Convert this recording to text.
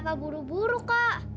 kenapa buru buru kak